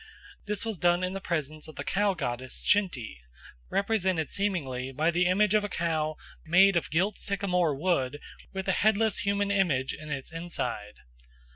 This was done in the presence of the cow goddess Shenty, represented seemingly by the image of a cow made of gilt sycamore wood with a headless human image in its inside.